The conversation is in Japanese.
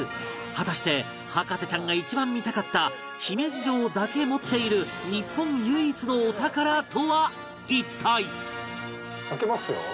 果たして博士ちゃんが一番見たかった姫路城だけ持っている日本唯一のお宝とは一体？